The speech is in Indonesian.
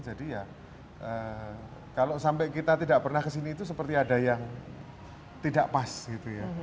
jadi ya kalau sampai kita tidak pernah kesini itu seperti ada yang tidak pas gitu ya